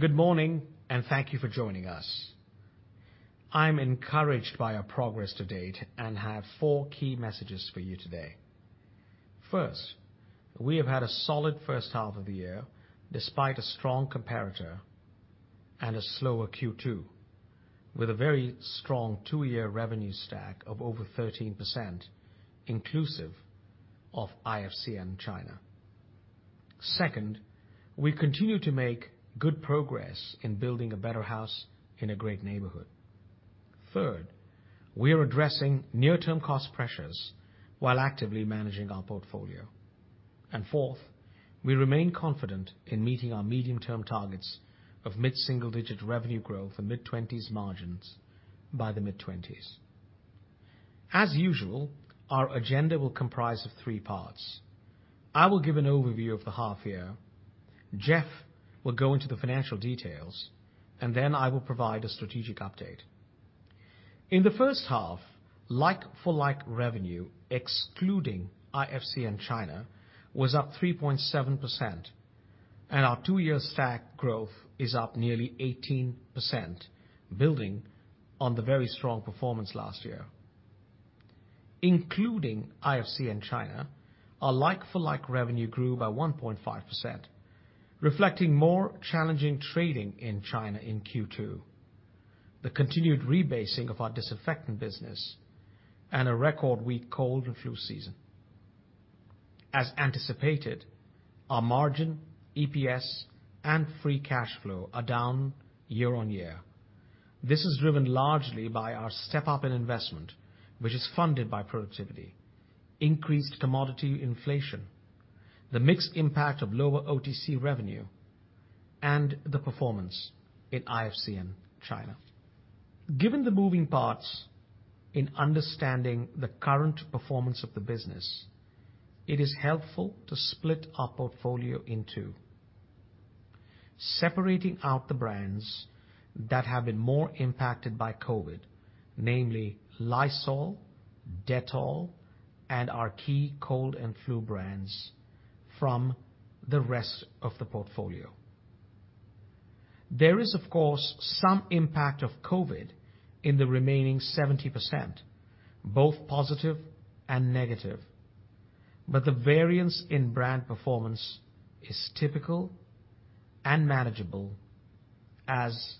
Good morning and thank you for joining us. I'm encouraged by our progress to date and have four key messages for you today. First, we have had a solid first half of the year despite a strong comparator and a slower Q2, with a very strong two-year revenue stack of over 13%, inclusive of IFCN China. Second, we continue to make good progress in building a better house in a great neighborhood. Third, we are addressing near-term cost pressures while actively managing our portfolio. Fourth, we remain confident in meeting our medium-term targets of mid-single-digit revenue growth and mid-20s margins by the mid-20s. As usual, our agenda will comprise of three parts. I will give an overview of the half year, Jeff will go into the financial details, and then I will provide a strategic update. In the first half, like-for-like revenue, excluding IFCN China, was up 3.7%, and our two-year stack growth is up nearly 18%, building on the very strong performance last year. Including IFCN China, our like-for-like revenue grew by 1.5%, reflecting more challenging trading in China in Q2, the continued rebasing of our disinfectant business, and a record weak cold and flu season. As anticipated, our margin, EPS, and free cash flow are down year-over-year. This is driven largely by our step-up in investment, which is funded by productivity, increased commodity inflation, the mixed impact of lower OTC revenue, and the performance in IFCN China. Given the moving parts in understanding the current performance of the business, it is helpful to split our portfolio in two, separating out the brands that have been more impacted by COVID, namely Lysol, Dettol, and our key cold and flu brands, from the rest of the portfolio. There is, of course, some impact of COVID in the remaining 70%, both positive and negative. The variance in brand performance is typical and manageable as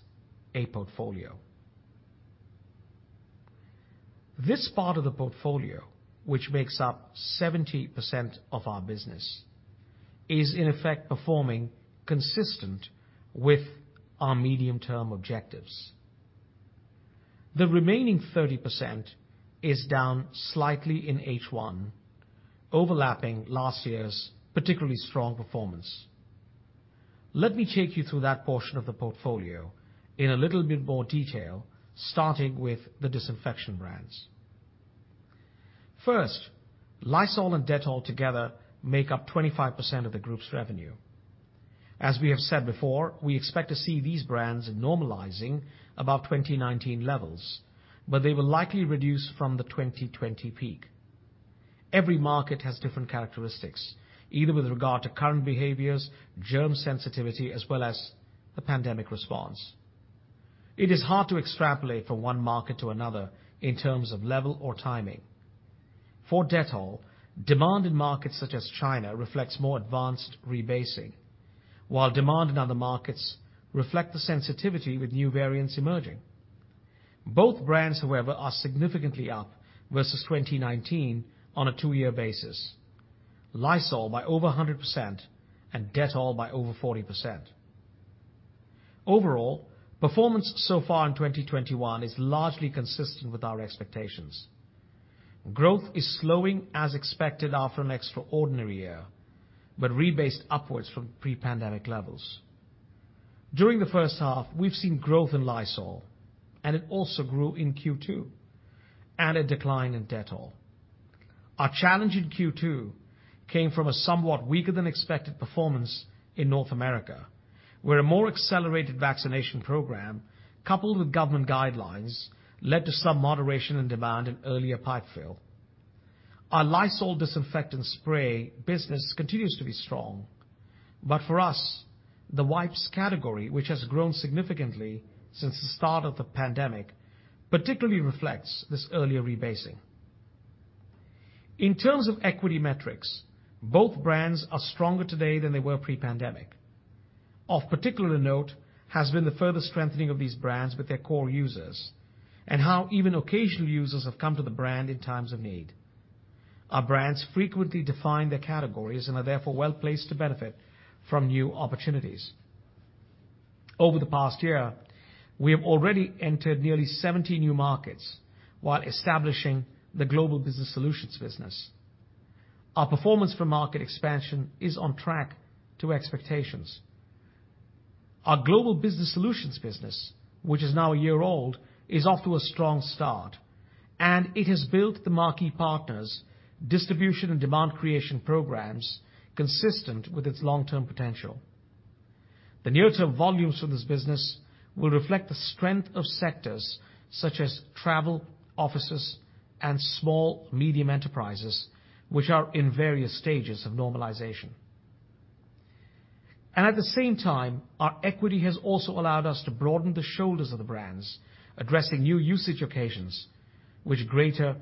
a portfolio. This part of the portfolio, which makes up 70% of our business, is in effect performing consistent with our medium-term objectives. The remaining 30% is down slightly in H1, overlapping last year's particularly strong performance. Let me take you through that portion of the portfolio in a little bit more detail, starting with the disinfection brands. First, Lysol and Dettol together make up 25% of the group's revenue. As we have said before, we expect to see these brands normalizing above 2019 levels, but they will likely reduce from the 2020 peak. Every market has different characteristics, either with regard to current behaviors, germ sensitivity, as well as the pandemic response. It is hard to extrapolate from one market to another in terms of level or timing. For Dettol, demand in markets such as China reflects more advanced rebasing, while demand in other markets reflect the sensitivity with new variants emerging. Both brands, however, are significantly up versus 2019 on a two-year basis, Lysol by over 100% and Dettol by over 40%. Overall, performance so far in 2021 is largely consistent with our expectations. Growth is slowing as expected after an extraordinary year, but rebased upwards from pre-pandemic levels. During the first half, we've seen growth in Lysol, and it also grew in Q2, and a decline in Dettol. Our challenge in Q2 came from a somewhat weaker than expected performance in North America, where a more accelerated vaccination program, coupled with government guidelines, led to some moderation and demand in earlier pipe fill. Our Lysol Disinfectant Spray business continues to be strong, but for us, the wipes category, which has grown significantly since the start of the pandemic, particularly reflects this earlier rebasing. In terms of equity metrics, both brands are stronger today than they were pre-pandemic. Of particular note has been the further strengthening of these brands with their core users and how even occasional users have come to the brand in times of need. Our brands frequently define their categories and are therefore well-placed to benefit from new opportunities. Over the past year, we have already entered nearly 70 new markets while establishing the Global Business Solutions business. Our performance for market expansion is on track to expectations. Our Global Business Solutions business, which is now a year old, is off to a strong start. It has built the marquee partners' distribution and demand creation programs consistent with its long-term potential. The near-term volumes for this business will reflect the strength of sectors such as travel, offices and small medium enterprises, which are in various stages of normalization. At the same time, our equity has also allowed us to broaden the shoulders of the brands, addressing new usage occasions, which greater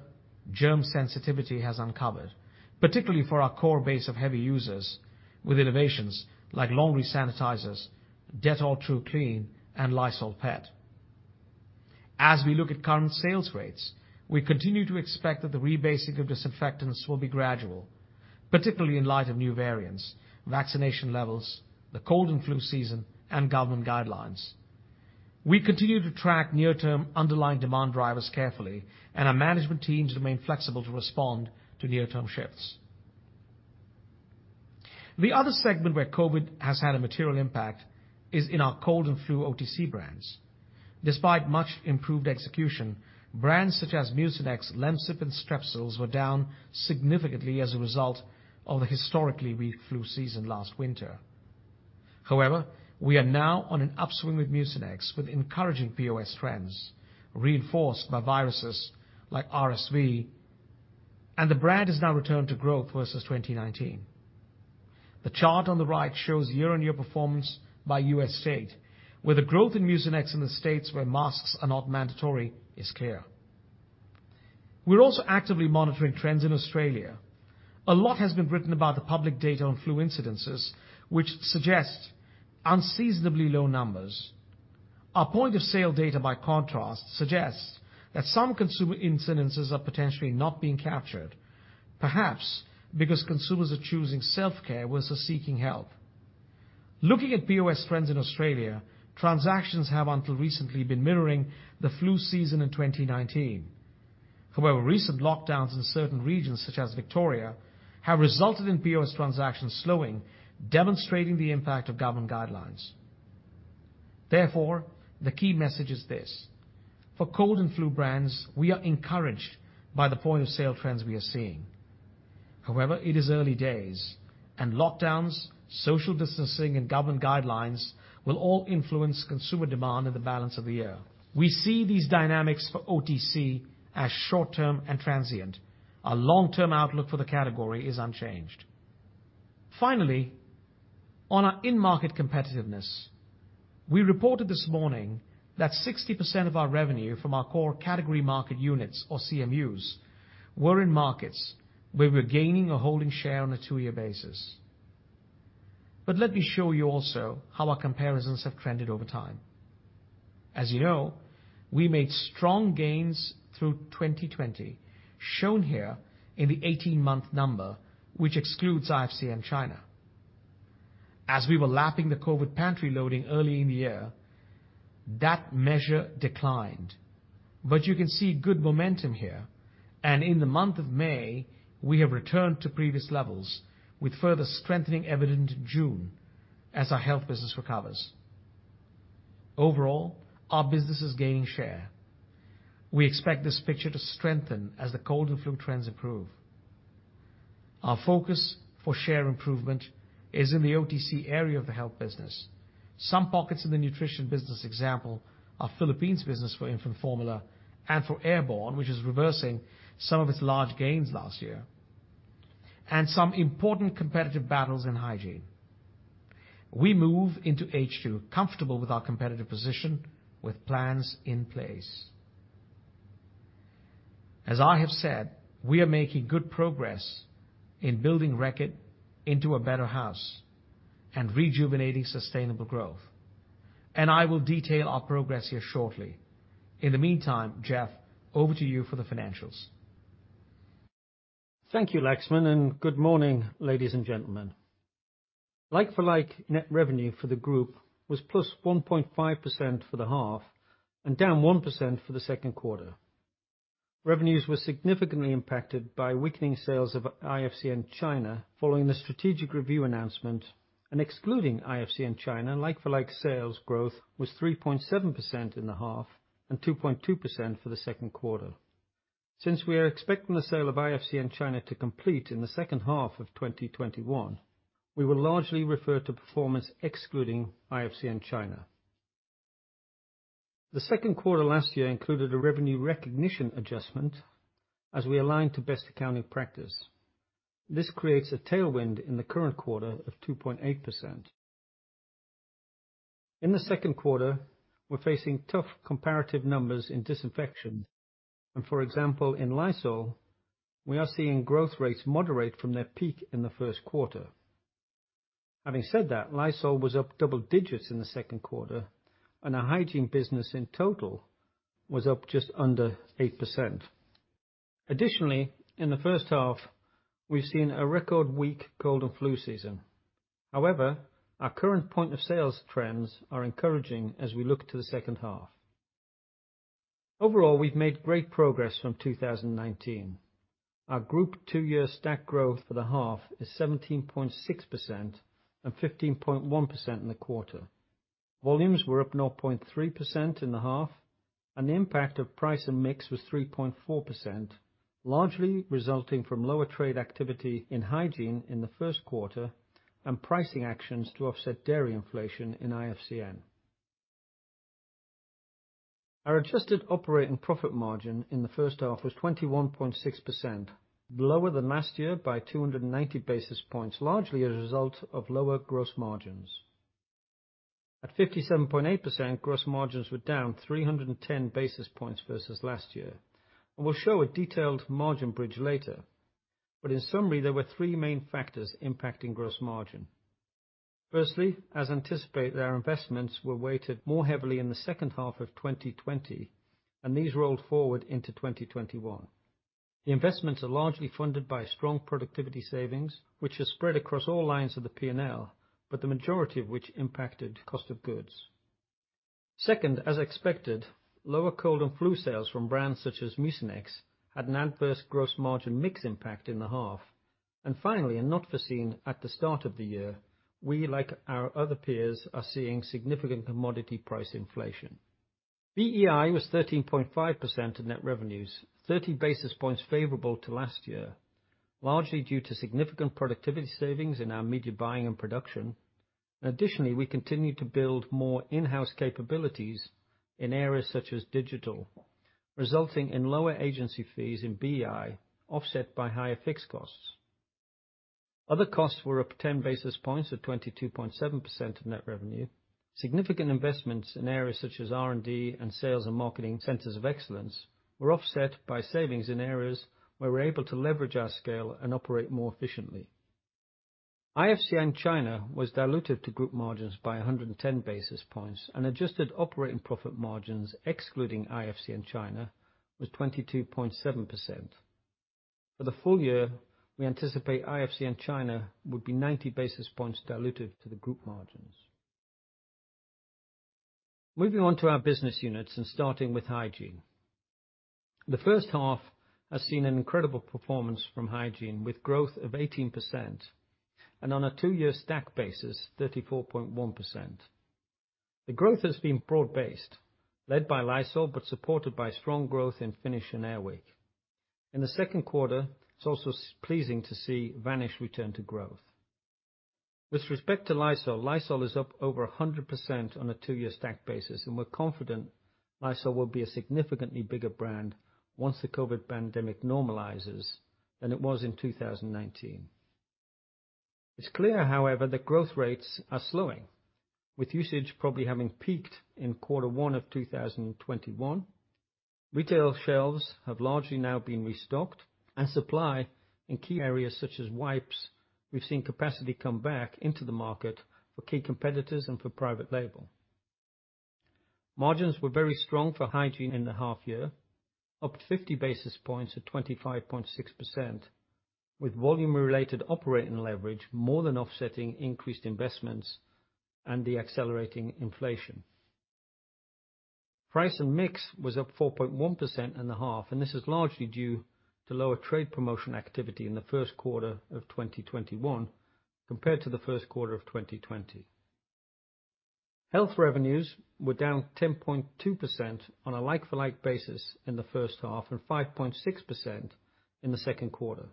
germ sensitivity has uncovered, particularly for our core base of heavy users with innovations like laundry sanitizers, Dettol Tru Clean, and Lysol Pet. As we look at current sales rates, we continue to expect that the re-basing of disinfectants will be gradual, particularly in light of new variants, vaccination levels, the cold and flu season, and government guidelines. We continue to track near-term underlying demand drivers carefully, and our management teams remain flexible to respond to near-term shifts. The other segment where COVID has had a material impact is in our cold and flu OTC brands. Despite much improved execution, brands such as Mucinex, Lemsip, and Strepsils were down significantly as a result of the historically weak flu season last winter. However, we are now on an upswing with Mucinex, with encouraging POS trends reinforced by viruses like RSV, and the brand has now returned to growth versus 2019. The chart on the right shows year-on-year performance by U.S. state, where the growth in Mucinex in the states where masks are not mandatory is clear. We're also actively monitoring trends in Australia. A lot has been written about the public data on flu incidences, which suggest unseasonably low numbers. Our point of sale data, by contrast, suggests that some consumer incidences are potentially not being captured, perhaps because consumers are choosing self-care versus seeking help. Looking at POS trends in Australia, transactions have until recently been mirroring the flu season in 2019. However, recent lockdowns in certain regions, such as Victoria, have resulted in POS transactions slowing, demonstrating the impact of government guidelines. Therefore, the key message is this. For cold and flu brands, we are encouraged by the point of sale trends we are seeing. However, it is early days and lockdowns, social distancing, and government guidelines will all influence consumer demand in the balance of the year. We see these dynamics for OTC as short-term and transient. Our long-term outlook for the category is unchanged. Finally, on our in-market competitiveness, we reported this morning that 60% of our revenue from our core Category Market Units, or CMUs, were in markets where we're gaining or holding share on a two-year basis. Let me show you also how our comparisons have trended over time. As you know, we made strong gains through 2020, shown here in the 18-month number, which excludes IFCN China. As we were lapping the COVID pantry loading early in the year, that measure declined. You can see good momentum here, and in the month of May, we have returned to previous levels, with further strengthening evident in June as our Health business recovers. Overall, our business is gaining share. We expect this picture to strengthen as the cold and flu trends improve. Our focus for share improvement is in the OTC area of the Health business. Some pockets of the Nutrition business example are Philippines business for infant formula and for Airborne, which is reversing some of its large gains last year, and some important competitive battles in Hygiene. We move into H2 comfortable with our competitive position, with plans in place. As I have said, we are making good progress in building Reckitt into a better house and rejuvenating sustainable growth, and I will detail our progress here shortly. In the meantime, Jeff, over to you for the financials. Thank you, Laxman. Good morning, ladies and gentlemen. Like-for-like net revenue for the group was +1.5% for the half and down 1% for the second quarter. Revenues were significantly impacted by weakening sales of IFCN China following the strategic review announcement, and excluding IFCN China, like-for-like sales growth was 3.7% in the half and 2.2% for the second quarter. Since we are expecting the sale of IFCN China to complete in the second half of 2021, we will largely refer to performance excluding IFCN China. The second quarter last year included a revenue recognition adjustment as we align to best accounting practice. This creates a tailwind in the current quarter of 2.8%. In the second quarter, we're facing tough comparative numbers in disinfection, and for example, in Lysol, we are seeing growth rates moderate from their peak in the first quarter. Having said that, Lysol was up double digits in the second quarter, and our Hygiene business in total was up just under 8%. Additionally, in the first half, we've seen a record weak cold and flu season. Our current point of sales trends are encouraging as we look to the second half. Overall, we've made great progress from 2019. Our group two-year stack growth for the half is 17.6% and 15.1% in the quarter. Volumes were up 0.3% in the half and the impact of price and mix was 3.4%, largely resulting from lower trade activity in Hygiene in the first quarter and pricing actions to offset dairy inflation in IFCN. Our adjusted operating profit margin in the first half was 21.6%, lower than last year by 290 basis points, largely a result of lower gross margins. At 57.8%, gross margins were down 310 basis points versus last year. We'll show a detailed margin bridge later. In summary, there were three main factors impacting gross margin. Firstly, as anticipated, our investments were weighted more heavily in the second half of 2020, and these rolled forward into 2021. The investments are largely funded by strong productivity savings, which are spread across all lines of the P&L, but the majority of which impacted cost of goods. Second, as expected, lower cold and flu sales from brands such as Mucinex had an adverse gross margin mix impact in the half. Finally, and not foreseen at the start of the year, we, like our other peers, are seeing significant commodity price inflation. BEI was 13.5% of net revenues, 30 basis points favorable to last year, largely due to significant productivity savings in our media buying and production. Additionally, we continued to build more in-house capabilities in areas such as digital, resulting in lower agency fees in BEI offset by higher fixed costs. Other costs were up 10 basis points at 22.7% of net revenue. Significant investments in areas such as R&D and sales and marketing centers of excellence were offset by savings in areas where we're able to leverage our scale and operate more efficiently. IFCN China was dilutive to group margins by 110 basis points, and adjusted operating profit margins excluding IFCN China was 22.7%. For the full year, we anticipate IFCN China would be 90 basis points dilutive to the group margins. Moving on to our business units and starting with Hygiene. The first half has seen an incredible performance from Hygiene, with growth of 18%, and on a two-year stack basis, 34.1%. The growth has been broad-based, led by Lysol, but supported by strong growth in Finish and Air Wick. In the second quarter, it is also pleasing to see Vanish return to growth. With respect to Lysol is up over 100% on a two-year stack basis, and we are confident Lysol will be a significantly bigger brand once the COVID pandemic normalizes than it was in 2019. It is clear, however, that growth rates are slowing, with usage probably having peaked in quarter one of 2021. Retail shelves have largely now been restocked and supply in key areas such as wipes, we have seen capacity come back into the market for key competitors and for private label. Margins were very strong for Hygiene in the half year, up 50 basis points at 25.6%, with volume-related operating leverage more than offsetting increased investments and the accelerating inflation. Price and mix was up 4.1% in the half, and this is largely due to lower trade promotion activity in the first quarter of 2021 compared to the first quarter of 2020. Health revenues were down 10.2% on a like-for-like basis in the first half and 5.6% in the second quarter.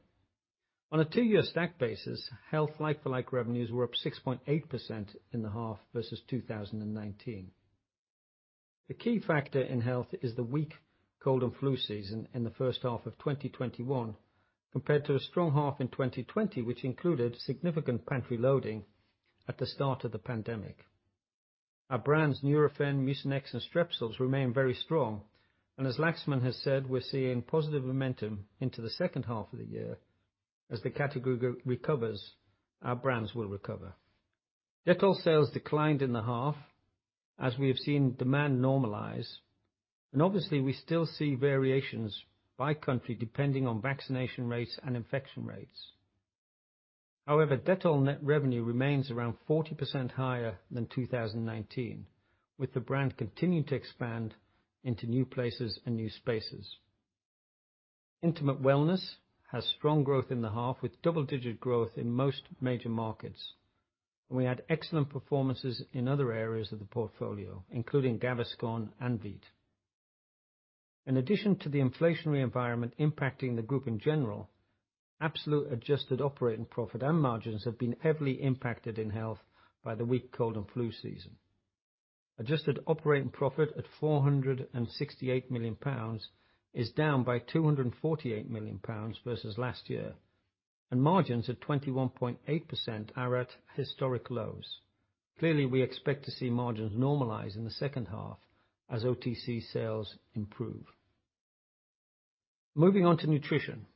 On a two-year stack basis, Health like-for-like revenues were up 6.8% in the half versus 2019. The key factor in Health is the weak cold and flu season in the first half of 2021, compared to a strong half in 2020, which included significant pantry loading at the start of the pandemic. Our brands Nurofen, Mucinex, and Strepsils remain very strong, and as Laxman has said, we're seeing positive momentum into the second half of the year. As the category recovers, our brands will recover. Dettol sales declined in the half as we have seen demand normalize, and obviously, we still see variations by country, depending on vaccination rates and infection rates. Dettol net revenue remains around 40% higher than 2019, with the brand continuing to expand into new places and new spaces. Intimate Wellness has strong growth in the half, with double-digit growth in most major markets. We had excellent performances in other areas of the portfolio, including Gaviscon and Veet. In addition to the inflationary environment impacting the group in general, absolute adjusted operating profit and margins have been heavily impacted in Health by the weak cold and flu season. Adjusted operating profit at 468 million pounds is down by 248 million pounds versus last year, and margins at 21.8% are at historic lows. We expect to see margins normalize in the second half as OTC sales improve. Moving on to Nutrition.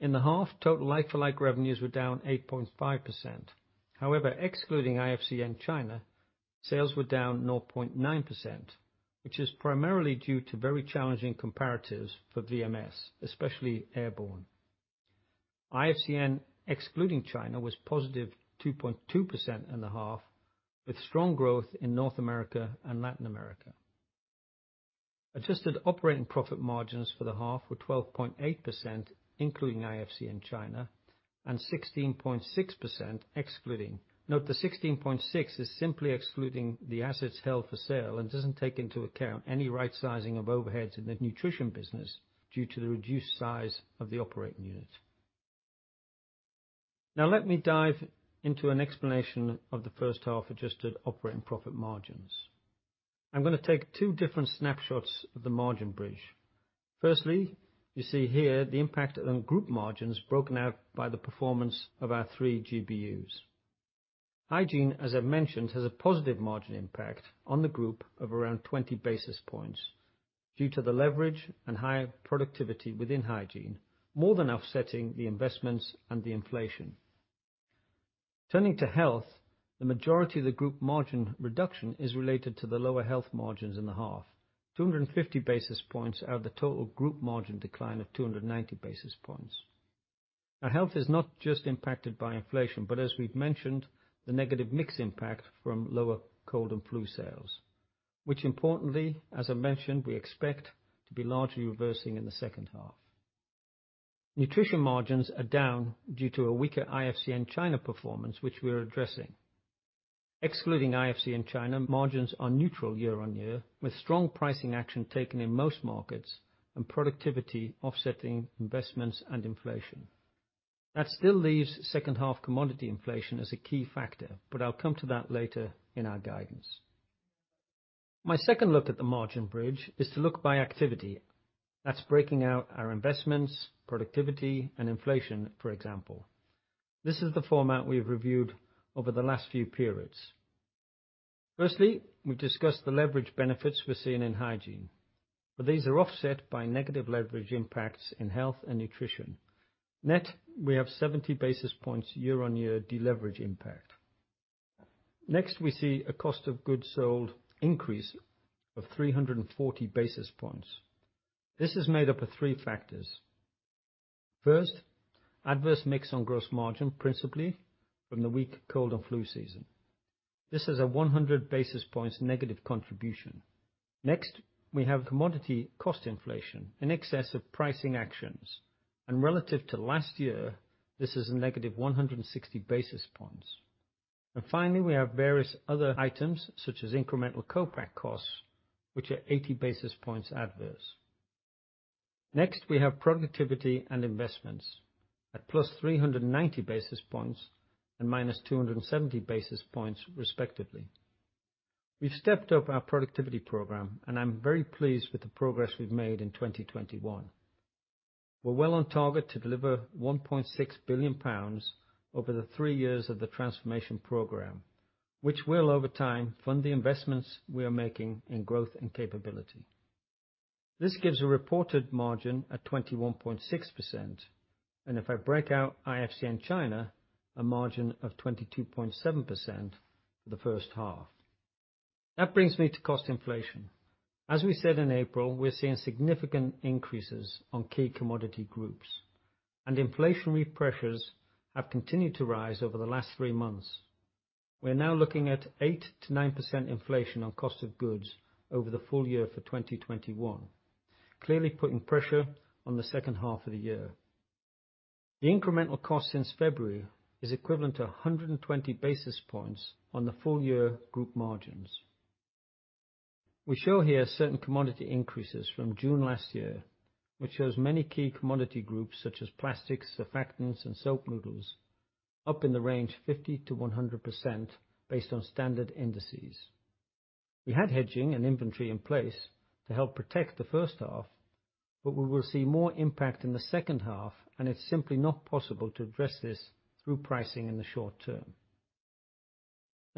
In the half, total like-for-like revenues were down 8.5%. However, excluding IFCN China, sales were down 0.9%, which is primarily due to very challenging comparatives for VMS, especially Airborne. IFCN, excluding China, was positive 2.2% in the half, with strong growth in North America and Latin America. Adjusted operating profit margins for the half were 12.8%, including IFCN China, and 16.6% excluding. Note the 16.6% is simply excluding the assets held for sale and doesn't take into account any right sizing of overheads in the Nutrition business due to the reduced size of the operating unit. Now let me dive into an explanation of the first half adjusted operating profit margins. I'm going to take two different snapshots of the margin bridge. Firstly, you see here the impact on group margins broken out by the performance of our three GBUs. Hygiene, as I've mentioned, has a positive margin impact on the group of around 20 basis points due to the leverage and higher productivity within Hygiene, more than offsetting the investments and the inflation. Turning to Health, the majority of the group margin reduction is related to the lower Health margins in the half, 250 basis points out of the total group margin decline of 290 basis points. Now, Health is not just impacted by inflation, but as we've mentioned, the negative mix impact from lower cold and flu sales, which importantly, as I mentioned, we expect to be largely reversing in the second half. Nutrition margins are down due to a weaker IFCN in China performance, which we are addressing. Excluding IFCN in China, margins are neutral year-over-year, with strong pricing action taken in most markets and productivity offsetting investments and inflation. That still leaves second half commodity inflation as a key factor, but I'll come to that later in our guidance. My second look at the margin bridge is to look by activity. That's breaking out our investments, productivity, and inflation, for example. This is the format we've reviewed over the last few periods. Firstly, we've discussed deleverage benefits we're seeing in Hygiene. These are offset by negative leverage impacts in Health and Nutrition. Net, we have 70 basis points year-on-year deleverage impact. Next, we see a cost of goods sold increase of 340 basis points. This is made up of three factors. First, adverse mix on gross margin, principally from the weak cold and flu season. This is a 100 basis points negative contribution. Next, we have commodity cost inflation in excess of pricing actions, and relative to last year, this is a negative 160 basis points. Finally, we have various other items such as incremental co-pack costs, which are 80 basis points adverse. Next, we have productivity and investments at +390 basis points and -270 basis points respectively. We've stepped up our productivity program, and I'm very pleased with the progress we've made in 2021. We're well on target to deliver 1.6 billion pounds over the three years of the transformation program, which will over time fund the investments we are making in growth and capability. This gives a reported margin at 21.6%, and if I break out IFCN China, a margin of 22.7% for the first half. That brings me to cost inflation. As we said in April, we're seeing significant increases on key commodity groups, and inflationary pressures have continued to rise over the last three months. We are now looking at 8%-9% inflation on cost of goods over the full year for 2021, clearly putting pressure on the second half of the year. The incremental cost since February is equivalent to 120 basis points on the full year group margins. We show here certain commodity increases from June last year, which shows many key commodity groups such as plastics, surfactants, and soap noodles, up in the range 50%-100% based on standard indices. We had hedging and inventory in place to help protect the first half, but we will see more impact in the second half, and it is simply not possible to address this through pricing in the short term.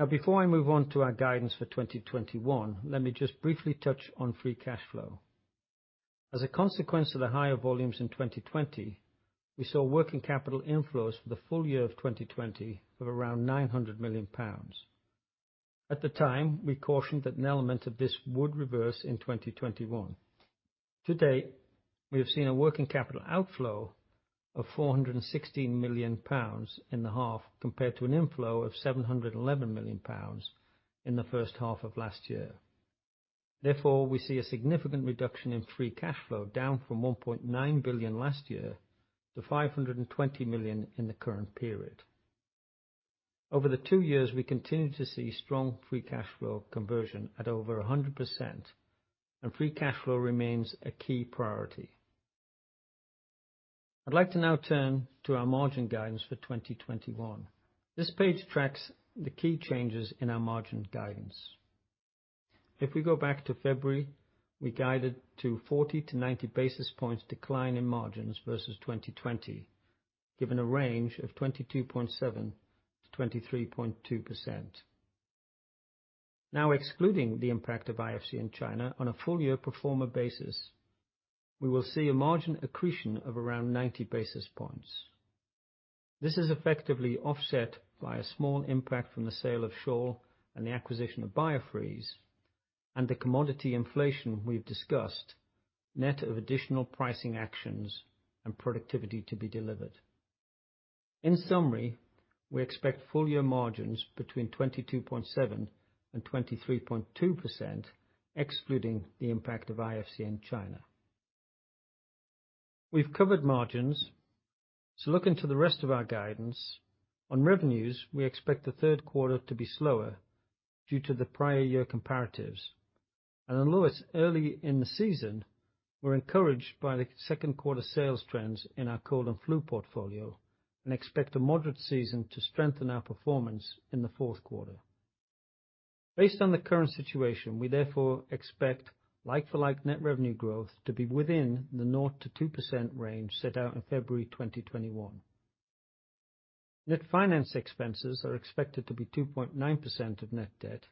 Before I move on to our guidance for 2021, let me just briefly touch on free cash flow. As a consequence of the higher volumes in 2020, we saw working capital inflows for the full year of 2020 of around 900 million pounds. At the time, we cautioned that an element of this would reverse in 2021. To date, we have seen a working capital outflow of 416 million pounds in the half, compared to an inflow of 711 million pounds in the first half of last year. We see a significant reduction in free cash flow, down from 1.9 billion last year to 520 million in the current period. Over the two years, we continue to see strong free cash flow conversion at over 100%. Free cash flow remains a key priority. I'd like to now turn to our margin guidance for 2021. This page tracks the key changes in our margin guidance. If we go back to February, we guided to 40 to 90 basis points decline in margins versus 2020, given a range of 22.7%-23.2%. Now excluding the impact of IFCN in China on a full year pro forma basis, we will see a margin accretion of around 90 basis points. This is effectively offset by a small impact from the sale of Scholl and the acquisition of Biofreeze and the commodity inflation we've discussed, net of additional pricing actions and productivity to be delivered. In summary, we expect full year margins between 22.7% and 23.2%, excluding the impact of IFCN in China. We've covered margins, so looking to the rest of our guidance, on revenues, we expect the third quarter to be slower due to the prior year comparatives. Although it's early in the season, we're encouraged by the second quarter sales trends in our cold and flu portfolio and expect a moderate season to strengthen our performance in the fourth quarter. Based on the current situation, we therefore expect like-for-like net revenue growth to be within the 0%-2% range set out in February 2021. Net finance expenses are expected to be 2.9% of net debt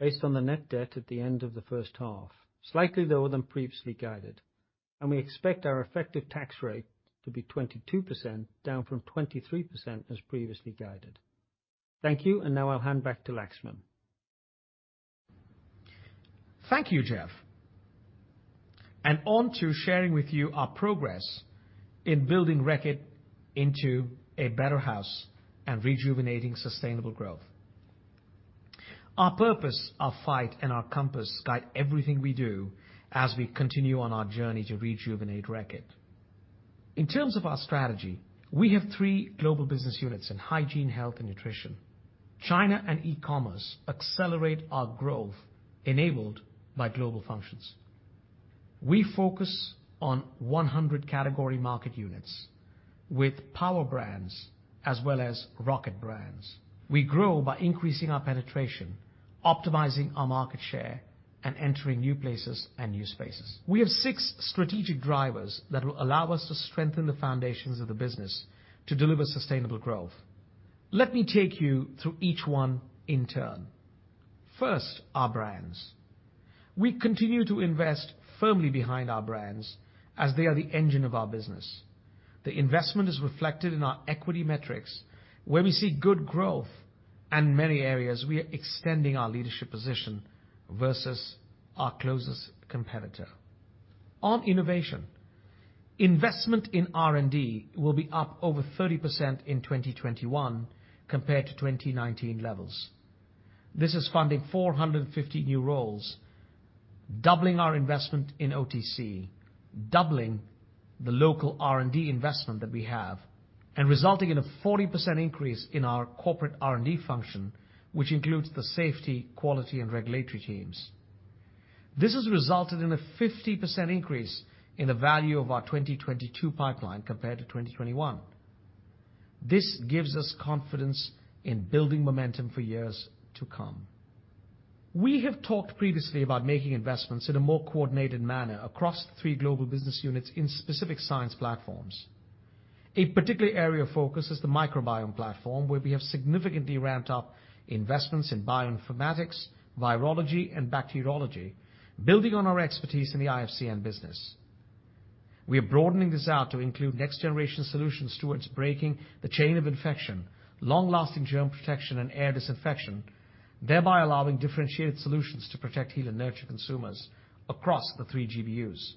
based on the net debt at the end of the first half, slightly lower than previously guided, and we expect our effective tax rate to be 22%, down from 23% as previously guided. Thank you, and now I'll hand back to Laxman. Thank you, Jeff. On to sharing with you our progress in building Reckitt into a better house and rejuvenating sustainable growth. Our purpose, our fight, and our compass guide everything we do as we continue on our journey to rejuvenate Reckitt. In terms of our strategy, we have three Global Business Units in Hygiene, Health, and Nutrition. China and e-commerce accelerate our growth enabled by global functions. We focus on 100 Category Market Units with power brands as well as rocket brands. We grow by increasing our penetration, optimizing our market share, and entering new places and new spaces. We have six strategic drivers that will allow us to strengthen the foundations of the business to deliver sustainable growth. Let me take you through each one in turn. First, our brands. We continue to invest firmly behind our brands as they are the engine of our business. The investment is reflected in our equity metrics, where we see good growth, and many areas we are extending our leadership position versus our closest competitor. On innovation, investment in R&D will be up over 30% in 2021 compared to 2019 levels. This is funding 450 new roles, doubling our investment in OTC, doubling the local R&D investment that we have, and resulting in a 40% increase in our corporate R&D function, which includes the safety, quality, and regulatory teams. This has resulted in a 50% increase in the value of our 2022 pipeline compared to 2021. This gives us confidence in building momentum for years to come. We have talked previously about making investments in a more coordinated manner across the three Global Business Units in specific science platforms. A particular area of focus is the microbiome platform, where we have significantly ramped up investments in bioinformatics, virology, and bacteriology, building on our expertise in the IFCN business. We are broadening this out to include next-generation solutions towards breaking the chain of infection, long-lasting germ protection, and air disinfection, thereby allowing differentiated solutions to protect, heal, and nurture consumers across the three GBUs.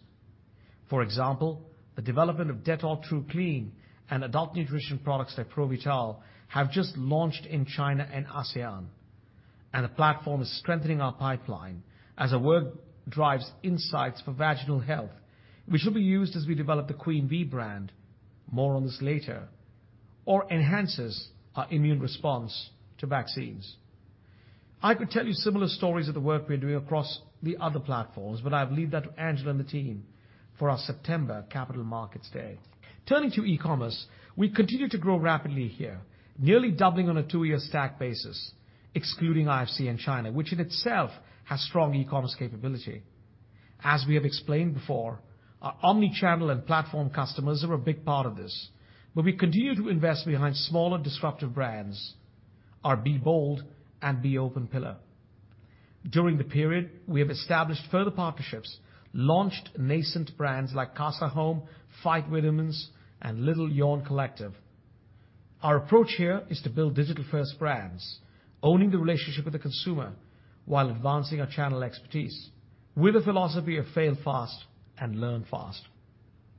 For example, the development of Dettol Tru Clean and adult nutrition products like ProVital have just launched in China and ASEAN, and the platform is strengthening our pipeline as our work drives insights for vaginal health, which will be used as we develop the Queen V brand, more on this later, or enhances our immune response to vaccines. I could tell you similar stories of the work we are doing across the other platforms, but I'll leave that to Angela and the team for our September Capital Markets Day. Turning to e-commerce, we continue to grow rapidly here, nearly doubling on a two-year stack basis, excluding IFCN China, which in itself has strong e-commerce capability. As we have explained before, our omni-channel and platform customers are a big part of this, but we continue to invest behind smaller disruptive brands, our Be Bold and Be Open pillar. During the period, we have established further partnerships, launched nascent brands like Casa Home, FIGHT Vitamins, and Little Yawn Collective. Our approach here is to build digital-first brands, owning the relationship with the consumer while advancing our channel expertise with the philosophy of fail fast and learn fast.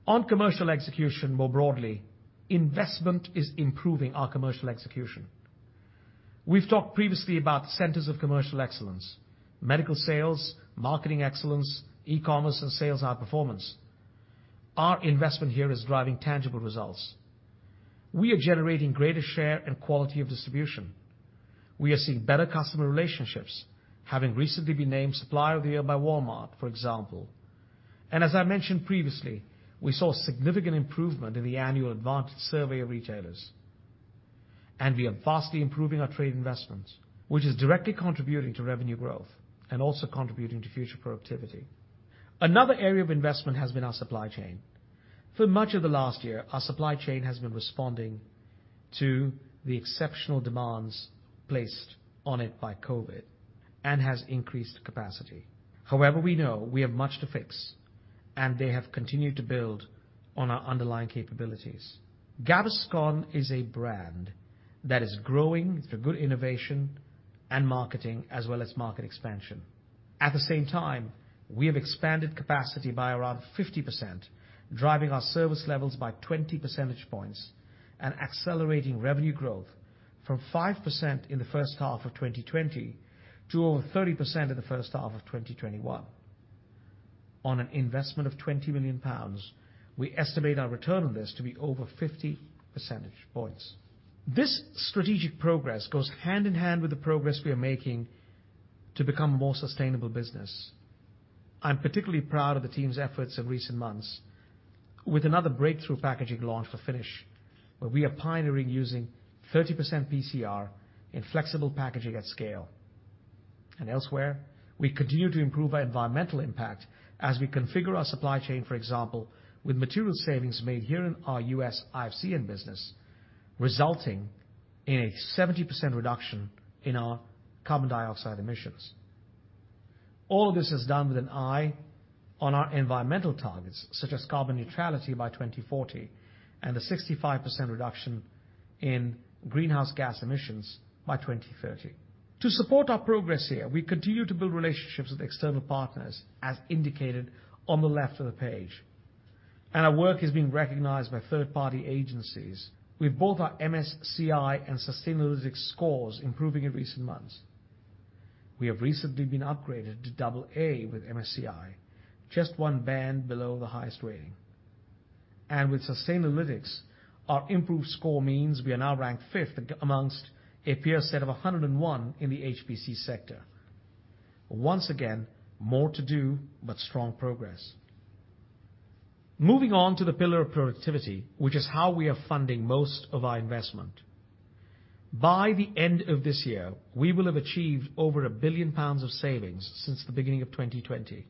On commercial execution more broadly, investment is improving our commercial execution. We've talked previously about centers of commercial excellence, medical sales, marketing excellence, e-commerce, and sales outperformance. Our investment here is driving tangible results. We are generating greater share and quality of distribution. We are seeing better customer relationships, having recently been named Supplier of the Year by Walmart, for example. As I mentioned previously, we saw significant improvement in the annual advanced survey of retailers, and we are vastly improving our trade investments, which is directly contributing to revenue growth and also contributing to future productivity. Another area of investment has been our supply chain. For much of the last year, our supply chain has been responding to the exceptional demands placed on it by COVID and has increased capacity. However, we know we have much to fix, and they have continued to build on our underlying capabilities. Gaviscon is a brand that is growing through good innovation and marketing, as well as market expansion. At the same time, we have expanded capacity by around 50%, driving our service levels by 20 percentage points and accelerating revenue growth from 5% in the first half of 2020 to over 30% in the first half of 2021. On an investment of 20 million pounds, we estimate our return on this to be over 50 percentage points. This strategic progress goes hand in hand with the progress we are making to become a more sustainable business. I'm particularly proud of the team's efforts in recent months with another breakthrough packaging launch for Finish, where we are pioneering using 30% PCR in flexible packaging at scale. Elsewhere, we continue to improve our environmental impact as we configure our supply chain, for example, with material savings made here in our U.S. IFCN business, resulting in a 70% reduction in our carbon dioxide emissions. All this is done with an eye on our environmental targets, such as carbon neutrality by 2040 and the 65% reduction in greenhouse gas emissions by 2030. To support our progress here, we continue to build relationships with external partners, as indicated on the left of the page, and our work is being recognized by third-party agencies with both our MSCI and Sustainalytics scores improving in recent months. We have recently been upgraded to AA with MSCI, just one band below the highest rating. With Sustainalytics, our improved score means we are now ranked fifth amongst a peer set of 101 in the HPC sector. Once again, more to do, but strong progress. Moving on to the pillar of productivity, which is how we are funding most of our investment. By the end of this year, we will have achieved over 1 billion pounds of savings since the beginning of 2020,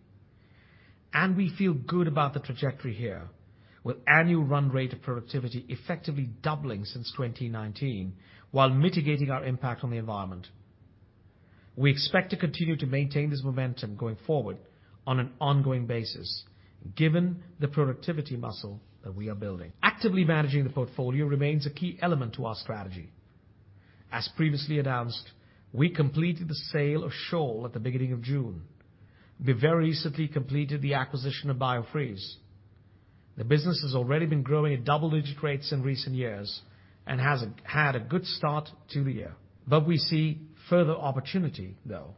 and we feel good about the trajectory here, with annual run rate of productivity effectively doubling since 2019 while mitigating our impact on the environment. We expect to continue to maintain this momentum going forward on an ongoing basis, given the productivity muscle that we are building. Actively managing the portfolio remains a key element to our strategy. As previously announced, we completed the sale of Scholl at the beginning of June. We very recently completed the acquisition of Biofreeze. The business has already been growing at double-digit rates in recent years and has had a good start to the year. We see further opportunity, though.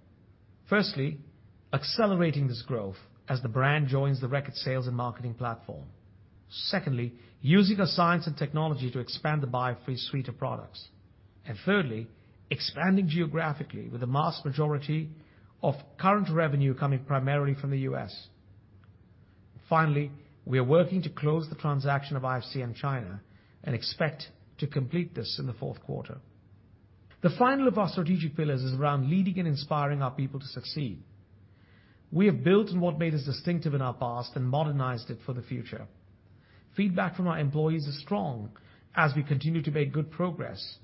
Firstly, accelerating this growth as the brand joins the Reckitt sales and marketing platform. Secondly, using our science and technology to expand the Biofreeze suite of products. Thirdly, expanding geographically with the mass majority of current revenue coming primarily from the U.S. Finally, we are working to close the transaction of IFCN China and expect to complete this in the fourth quarter. The final of our strategic pillars is around leading and inspiring our people to succeed. We have built on what made us distinctive in our past and modernized it for the future. Feedback from our employees is strong as we continue to make good progress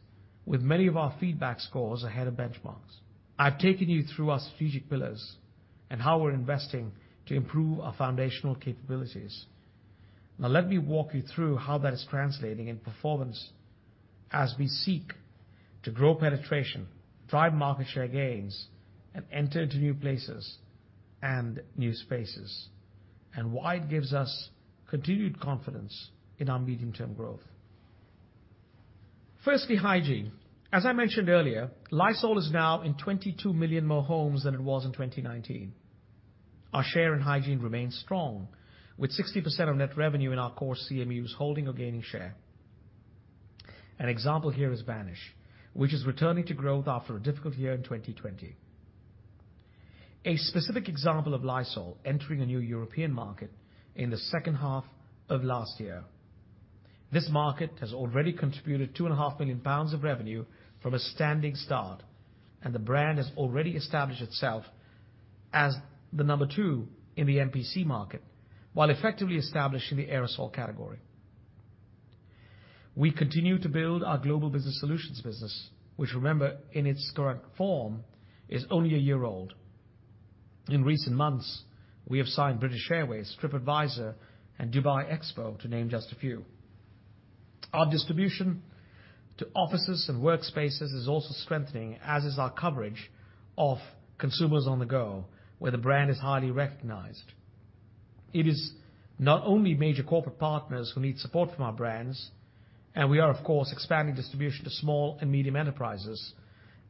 with many of our feedback scores ahead of benchmarks. I've taken you through our strategic pillars and how we're investing to improve our foundational capabilities. Let me walk you through how that is translating in performance as we seek to grow penetration, drive market share gains, and enter into new places and new spaces, and why it gives us continued confidence in our medium-term growth. Firstly Hygiene. As I mentioned earlier, Lysol is now in 22 million more homes than it was in 2019. Our share in Hygiene remains strong, with 60% of net revenue in our core CMUs holding or gaining share. An example here is Vanish, which is returning to growth after a difficult year in 2020. A specific example of Lysol entering a new European market in the second half of last year. This market has already contributed 2.5 million pounds GBP of revenue from a standing start, and the brand has already established itself as the number two in the MPC market while effectively establishing the aerosol category. We continue to build our Global Business Solutions business, which, remember, in its current form, is only a year old. In recent months, we have signed British Airways, TripAdvisor, and Dubai Expo, to name just a few. Our distribution to offices and workspaces is also strengthening, as is our coverage of consumers on the go, where the brand is highly recognized. It is not only major corporate partners who need support from our brands, and we are, of course, expanding distribution to small and medium enterprises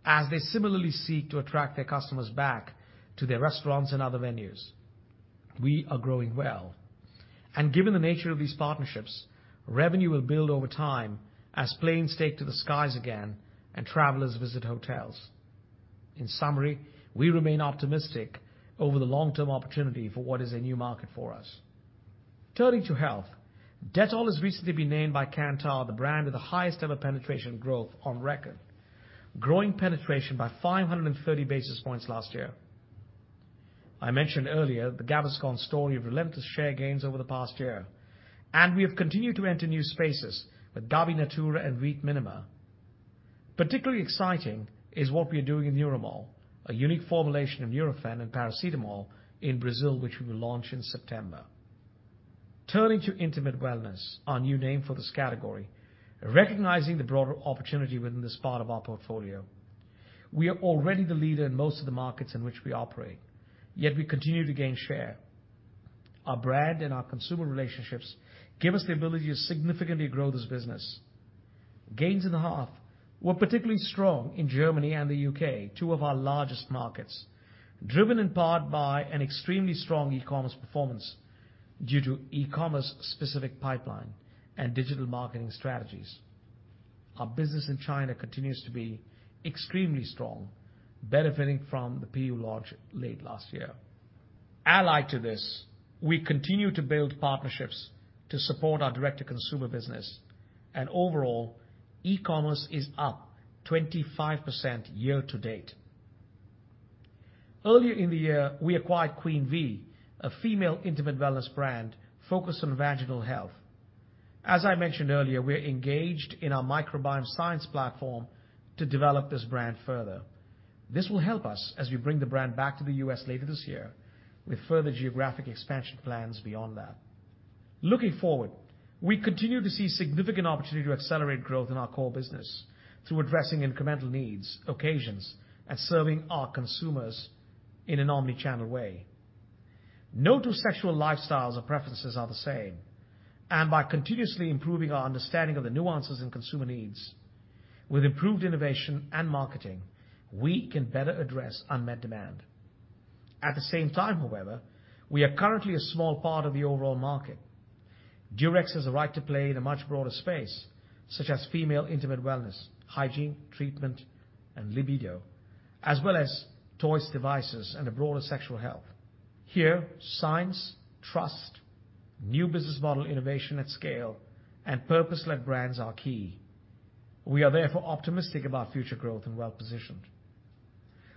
as they similarly seek to attract their customers back to their restaurants and other venues. We are growing well, and given the nature of these partnerships, revenue will build over time as planes take to the skies again and travelers visit hotels. In summary, we remain optimistic over the long-term opportunity for what is a new market for us. Turning to Health. Dettol has recently been named by Kantar the brand with the highest ever penetration growth on record, growing penetration by 530 basis points last year. I mentioned earlier the Gaviscon story of relentless share gains over the past year, and we have continued to enter new spaces with GaviNatura and Veet Minima. Particularly exciting is what we are doing in Nuromol, a unique formulation of Nurofen and paracetamol in Brazil, which we will launch in September. Turning to Intimate Wellness, our new name for this category, recognizing the broader opportunity within this part of our portfolio. We are already the leader in most of the markets in which we operate, yet we continue to gain share. Our brand and our consumer relationships give us the ability to significantly grow this business. Gains in the half were particularly strong in Germany and the U.K., two of our largest markets, driven in part by an extremely strong e-commerce performance due to e-commerce specific pipeline and digital marketing strategies. Our business in China continues to be extremely strong, benefiting from the PU launch late last year. Allied to this, we continue to build partnerships to support our direct-to-consumer business, and overall, e-commerce is up 25% year to date. Earlier in the year, we acquired Queen V, a female intimate wellness brand focused on vaginal health. As I mentioned earlier, we're engaged in our microbiome science platform to develop this brand further. This will help us as we bring the brand back to the U.S. later this year, with further geographic expansion plans beyond that. Looking forward, we continue to see significant opportunity to accelerate growth in our core business through addressing incremental needs, occasions, and serving our consumers in an omni-channel way. No two sexual lifestyles or preferences are the same, and by continuously improving our understanding of the nuances in consumer needs with improved innovation and marketing, we can better address unmet demand. At the same time, however, we are currently a small part of the overall market. Durex has a right to play in a much broader space, such as female intimate wellness, hygiene, treatment, and libido, as well as toys, devices, and a broader sexual health. Here, science, trust, new business model innovation at scale, and purpose-led brands are key. We are therefore optimistic about future growth and well-positioned.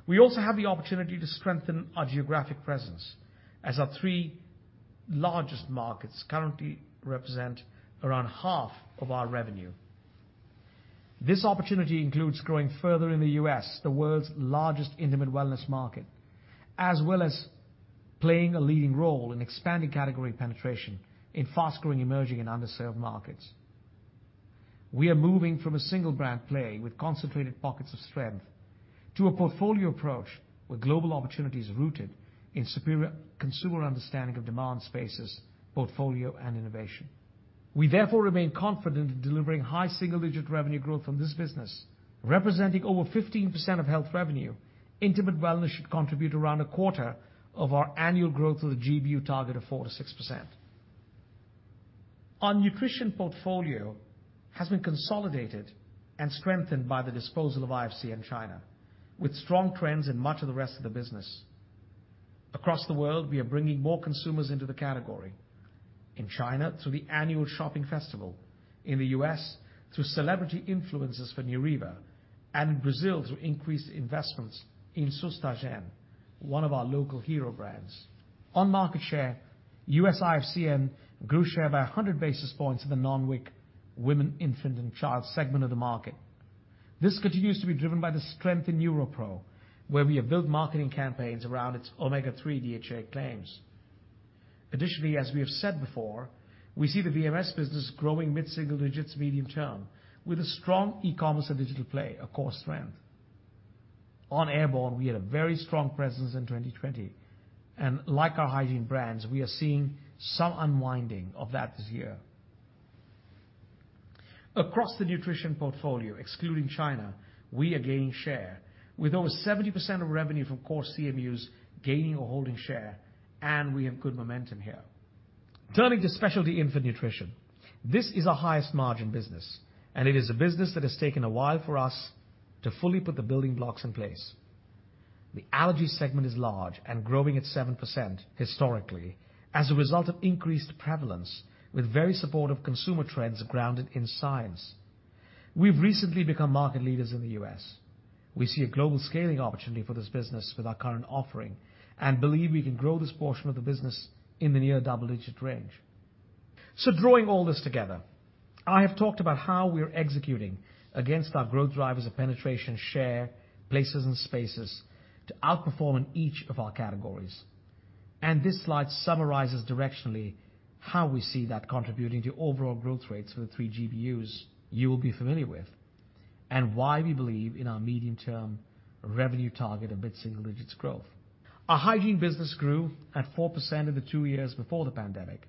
We also have the opportunity to strengthen our geographic presence as our three largest markets currently represent around half of our revenue. This opportunity includes growing further in the U.S., the world's largest intimate wellness market, as well as playing a leading role in expanding category penetration in fast-growing, emerging, and underserved markets. We are moving from a single brand play with concentrated pockets of strength to a portfolio approach with global opportunities rooted in superior consumer understanding of demand spaces, portfolio, and innovation. We therefore remain confident in delivering high single-digit revenue growth from this business. Representing over 15% of Health revenue, intimate wellness should contribute around a quarter of our annual growth of the GBU target of 4%-6%. Our Nutrition portfolio has been consolidated and strengthened by the disposal of IFCN in China, with strong trends in much of the rest of the business. Across the world, we are bringing more consumers into the category. In China through the annual shopping festival, in the U.S. through celebrity influencers for Neuriva, and in Brazil through increased investments in Sustagen, one of our local hero brands. On market share, U.S. IFCN grew share by 100 basis points in the non-WIC women, infant, and child segment of the market. This continues to be driven by the strength in NeuroPro, where we have built marketing campaigns around its omega-3 DHA claims. Additionally, as we have said before, we see the VMS business growing mid-single digits medium term with a strong e-commerce and digital play, a core strength. On Airborne, we had a very strong presence in 2020, and like our Hygiene brands, we are seeing some unwinding of that this year. Across the Nutrition portfolio, excluding China, we are gaining share with over 70% of revenue from core CMUs gaining or holding share, and we have good momentum here. Turning to Specialty Infant Nutrition, this is our highest margin business, and it is a business that has taken a while for us to fully put the building blocks in place. The allergy segment is large and growing at 7% historically as a result of increased prevalence with very supportive consumer trends grounded in science. We've recently become market leaders in the U.S. We see a global scaling opportunity for this business with our current offering and believe we can grow this portion of the business in the near double-digit range. Drawing all this together, I have talked about how we are executing against our growth drivers of penetration, share, places, and spaces to outperform in each of our categories. This slide summarizes directionally how we see that contributing to overall growth rates for the three GBUs you will be familiar with and why we believe in our medium-term revenue target of mid-single digits growth. Our Hygiene business grew at 4% in the two years before the pandemic.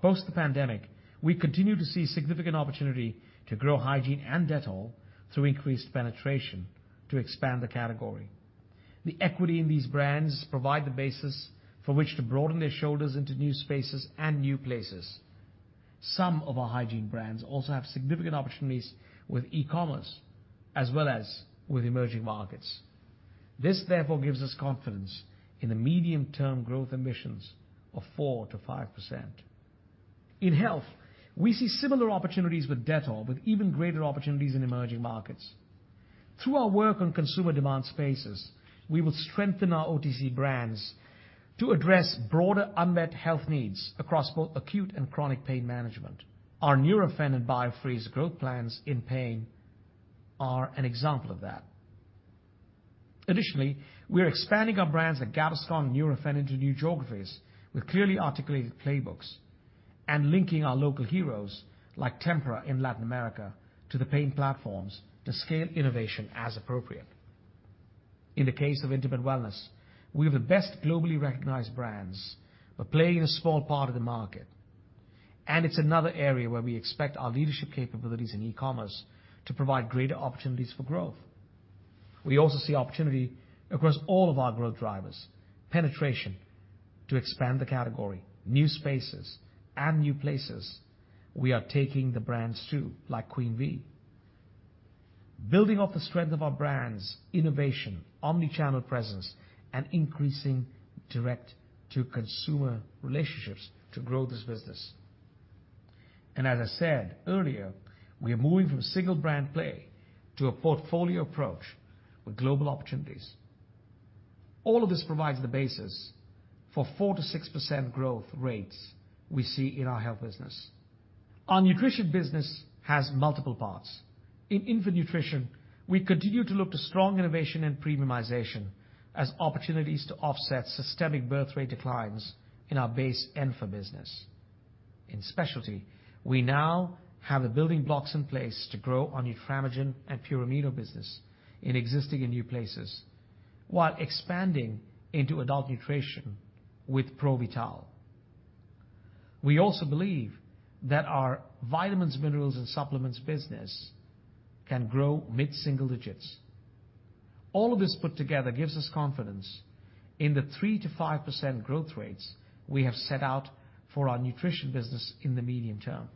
Post the pandemic, we continue to see significant opportunity to grow Hygiene and Dettol through increased penetration to expand the category. The equity in these brands provide the basis for which to broaden their shoulders into new spaces and new places. Some of our Hygiene brands also have significant opportunities with e-commerce as well as with emerging markets. This, therefore, gives us confidence in the medium-term growth ambitions of 4%-5%. In Health, we see similar opportunities with Dettol, with even greater opportunities in emerging markets. Through our work on consumer demand spaces, we will strengthen our OTC brands to address broader unmet health needs across both acute and chronic pain management. Our Nurofen and Biofreeze growth plans in pain are an example of that. Additionally, we are expanding our brands like Gaviscon and Nurofen into new geographies with clearly articulated playbooks and linking our local heroes, like Tempra in Latin America, to the pain platforms to scale innovation as appropriate. In the case of Intimate Wellness, we have the best globally recognized brands but play a small part of the market. It's another area where we expect our leadership capabilities in e-commerce to provide greater opportunities for growth. We also see opportunity across all of our growth drivers, penetration to expand the category, new spaces and new places we are taking the brands to, like Queen V. Building off the strength of our brands, innovation, omni-channel presence, and increasing direct-to-consumer relationships to grow this business. As I said earlier, we are moving from single brand play to a portfolio approach with global opportunities. All of this provides the basis for 4%-6% growth rates we see in our Health business. Our Nutrition business has multiple parts. In Infant Nutrition, we continue to look to strong innovation and premiumization as opportunities to offset systemic birth rate declines in our Base Enfa business. In Specialty, we now have the building blocks in place to grow our Nutramigen and PurAmino business in existing and new places, while expanding into adult nutrition with Provital. We also believe that our vitamins, minerals, and supplements business can grow mid-single digits. All of this put together gives us confidence in the 3%-5% growth rates we have set out for our Nutrition business in the medium term.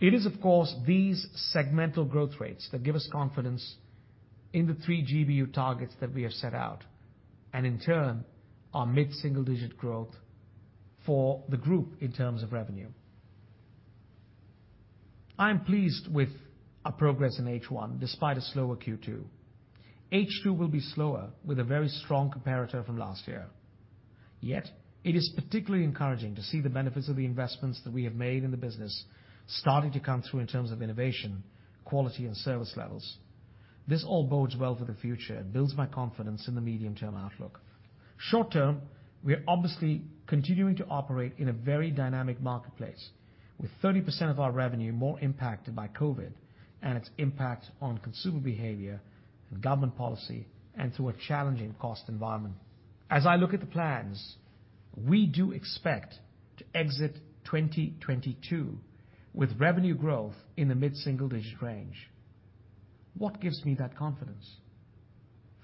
It is, of course, these segmental growth rates that give us confidence in the three GBU targets that we have set out, and in turn, our mid-single-digit growth for the group in terms of revenue. I am pleased with our progress in H1, despite a slower Q2. H2 will be slower with a very strong comparator from last year. It is particularly encouraging to see the benefits of the investments that we have made in the business starting to come through in terms of innovation, quality, and service levels. This all bodes well for the future and builds my confidence in the medium-term outlook. Short term, we are obviously continuing to operate in a very dynamic marketplace, with 30% of our revenue more impacted by COVID and its impact on consumer behavior and government policy, and through a challenging cost environment. As I look at the plans, we do expect to exit 2022 with revenue growth in the mid-single digit range. What gives me that confidence?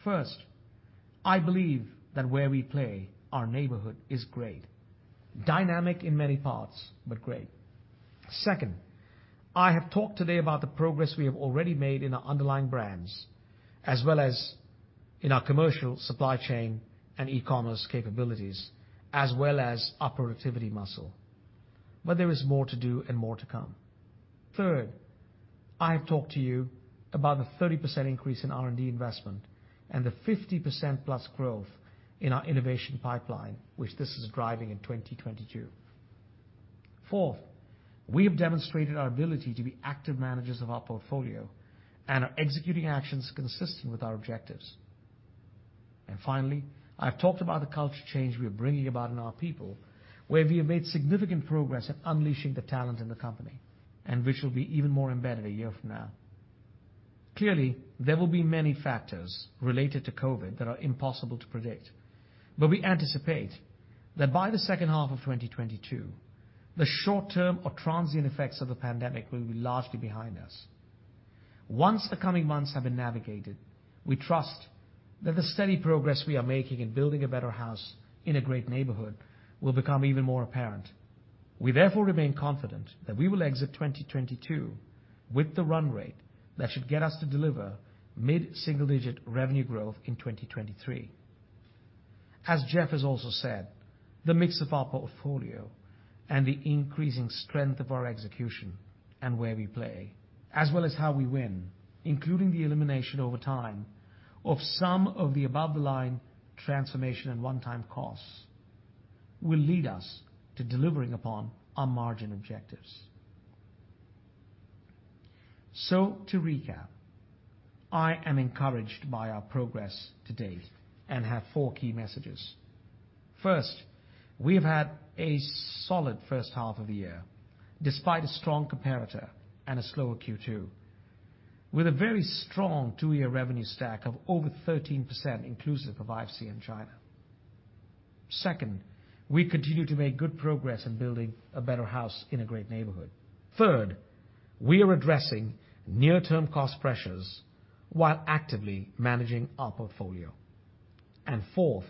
First, I believe that where we play, our neighborhood is great. Dynamic in many parts, but great. Second, I have talked today about the progress we have already made in our underlying brands, as well as in our commercial supply chain and e-commerce capabilities, as well as operativity muscle. There is more to do and more to come. Third, I have talked to you about the 30% increase in R&D investment and the 50%+ growth in our innovation pipeline, which this is driving in 2022. Fourth, we have demonstrated our ability to be active managers of our portfolio and are executing actions consistent with our objectives. Finally, I've talked about the culture change we are bringing about in our people, where we have made significant progress in unleashing the talent in the company, and which will be even more embedded a year from now. Clearly, there will be many factors related to COVID that are impossible to predict. We anticipate that by the second half of 2022, the short term or transient effects of the pandemic will be largely behind us. Once the coming months have been navigated, we trust that the steady progress we are making in building a better house in a great neighborhood will become even more apparent. We therefore remain confident that we will exit 2022 with the run rate that should get us to deliver mid-single digit revenue growth in 2023. As Jeff has also said, the mix of our portfolio and the increasing strength of our execution and where we play, as well as how we win, including the elimination over time of some of the above the line transformation and one-time costs, will lead us to delivering upon our margin objectives. To recap, I am encouraged by our progress to date and have four key messages. First, we have had a solid first half of the year, despite a strong comparator and a slower Q2, with a very strong two-year revenue stack of over 13% inclusive of IFCN in China. Second, we continue to make good progress in building a better house in a great neighborhood. Third, we are addressing near-term cost pressures while actively managing our portfolio. Fourth,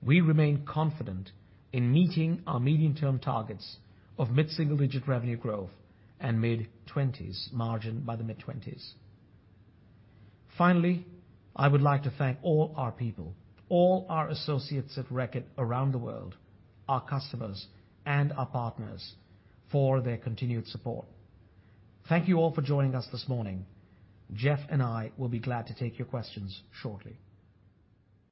we remain confident in meeting our medium-term targets of mid-single digit revenue growth and mid-20s margin by the mid-2020s. Finally, I would like to thank all our people, all our associates at Reckitt around the world, our customers, and our partners for their continued support. Thank you all for joining us this morning. Jeff and I will be glad to take your questions shortly.